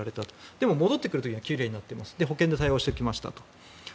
でも戻ってくる時には奇麗になっていますで、保険で対応しておきましたと。